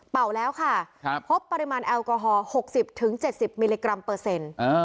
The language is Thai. แล้วค่ะพบปริมาณแอลกอฮอล๖๐๗๐มิลลิกรัมเปอร์เซ็นต์